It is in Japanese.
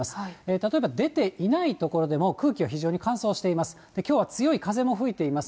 例えば出ていない所でも、空気が非常に乾燥しています。